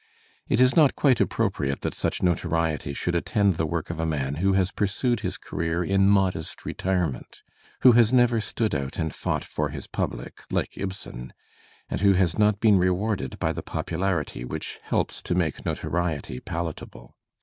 It is not quite appropriate that such notoriety should attend the work of a man who has pursued his career in modest retirement, who has never stood out and fought for his pubUc, like Ibsen, and who has not been rewarded by the popularity which helps to make notoriety palatable.